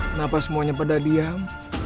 kenapa semuanya pada diam